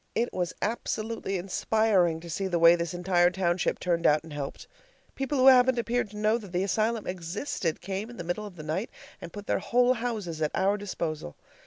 It was absolutely inspiring to see the way this entire township turned out and helped. People who haven't appeared to know that the asylum existed came in the middle of the night and put their whole houses at our disposal.